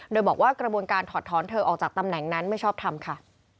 โดยบอกว่ากระบวนการถอดถอนเธอออกจากตำแหน่งนั้นไม่ชอบทำค่ะ